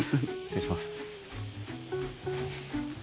失礼します。